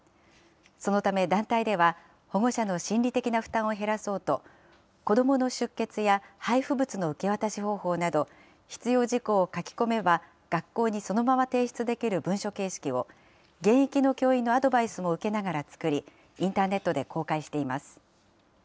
そのため団体では、保護者の心理的な負担を減らそうと、子どもの出欠や配布物の受け渡し方法など、必要事項を書き込めば学校にそのまま提出できる文書形式を、現役の教員のアドバイスも受けながら作り、インターネットで公開しています。